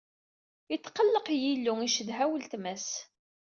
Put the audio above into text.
Itqelleq yilu, icedha weltma-s.